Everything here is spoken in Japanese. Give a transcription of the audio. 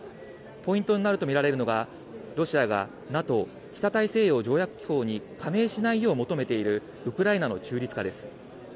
ポイントになると見られるのが、ロシアがＮＡＴＯ・北大西洋条約機構に加盟しないよう求めているウクライナの中立化です。